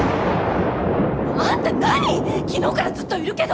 あんた何⁉昨日からずっといるけど！